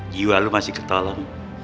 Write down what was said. jiwa lu masih ketolong